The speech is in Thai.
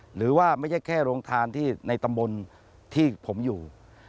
หรือว่าไม่ใช่แค่โรงทานที่ในตำบลที่ผมอยู่